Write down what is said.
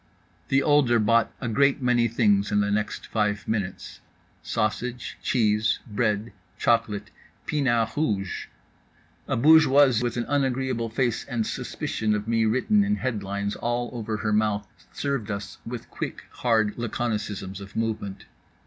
The older bought a great many things in the next five minutes: sausage, cheese, bread, chocolate, pinard rouge. A bourgeoise with an unagreeable face and suspicion of me written in headlines all over her mouth served us with quick hard laconicisms of movement.